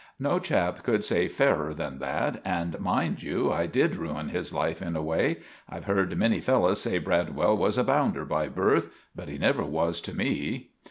No chap could say farer than that; and, mind you, I did ruin his life in a way. I've heard many fellows say Bradwell was a bounder by birth; but he never was to me.